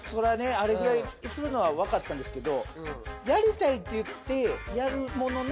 あれぐらいするのは分かったんですけど。